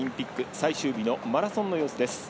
最終日のマラソンの様子です。